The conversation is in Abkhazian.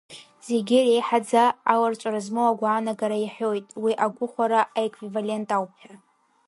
Зегьы реиҳаӡа аларҵәара змоу агәаанагара иаҳәоит, уи агәыхәара аеквивалент ауп ҳәа.